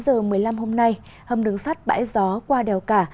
thưa quý vị vào lúc một mươi tám h một mươi năm hôm nay hầm đường sắt bãi gió qua đèo cả